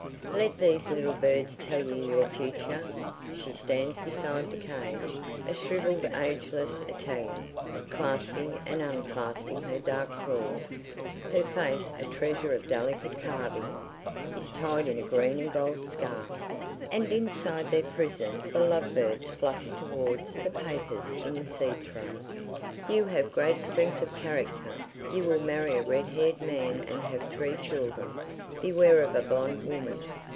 "Let these little birds tell you your future!" She stands beside the cage, a shrivelled ageless Italian, clasping and unclasping her dark claws. Her face, a treasure of delicate carving, is tied in a green and gold scarf. And inside their prison the love birds flutter towards the papers in the seed tray. "You have great strength of character. You will marry a red haired man and have three children. Beware of a blonde woman."